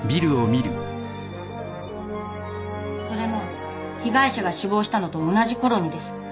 それも被害者が死亡したのと同じころにです。